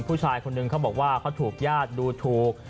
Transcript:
ผู้ชายคนหนึ่งเขาบอกว่าเขาถูกญาติดูถูก